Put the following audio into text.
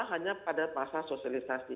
hanya pada masa sosialisasi